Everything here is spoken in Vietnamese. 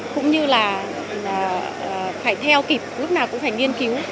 cũng như là phải theo kịp lúc nào cũng phải nghiên cứu